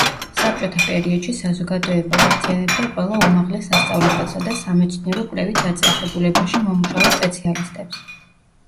საბჭოთა პერიოდში საზოგადოება აერთიანებდა ყველა უმაღლეს სასწავლებელსა და სამეცნიერო კვლევით დაწესებულებაში მომუშავე სპეციალისტებს.